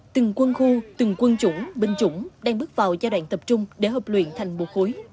từng quân khu từng quân chủng binh chủng đang bước vào giai đoạn tập trung để hợp luyện thành một khối